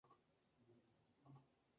Gordon nació y creció en Carolina del Norte.